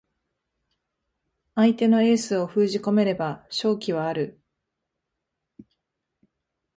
相手のエースを封じ込めれば勝機はある